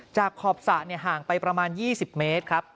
ขอบสระห่างไปประมาณ๒๐เมตรครับ